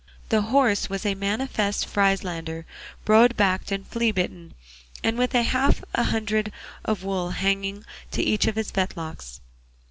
The horse was a manifest Frieslander, broad backed and flea bitten, and with half a hundred of wool hanging to each of his fetlocks.